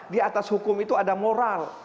di atas hukum itu ada moral